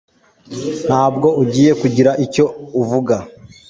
Ntabwo ugiye kugira icyo uvuga